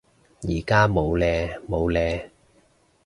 而家冇嘞冇嘞